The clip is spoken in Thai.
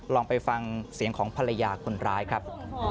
ลองไปฟังเสียงของภรรยาคนร้ายครับ